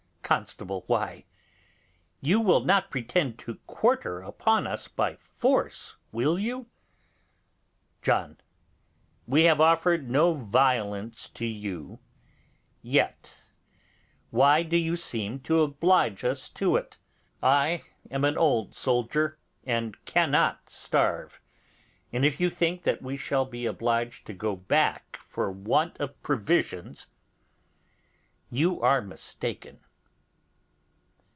Constable. Why, you will not pretend to quarter upon us by force, will you? John. We have offered no violence to you yet. Why do you seem to oblige us to it? I am an old soldier, and cannot starve, and if you think that we shall be obliged to go back for want of provisions, you are mistaken.